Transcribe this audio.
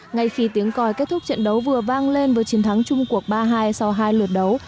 ngày khi tiếng còi kết thúc trận đấu vừa vang lên với chiến thắng trung cuộc ba hai sau hai lượt đấu